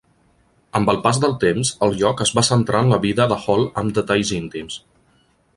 Amb el pas del temps, el lloc es va centrar en la vida de Hall amb detalls íntims.